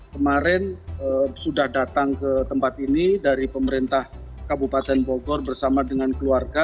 kemarin sudah datang ke tempat ini dari pemerintah kabupaten bogor bersama dengan keluarga